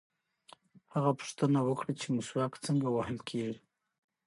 هغه پوښتنه وکړه چې مسواک څنګه وهل کېږي.